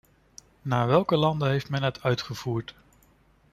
Naar welke landen heeft men het uitgevoerd?